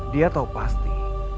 dia tahu pasti